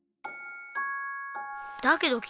だけど君。